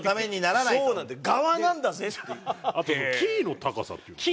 あとキーの高さっていうのは？